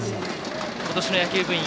今年の野球部員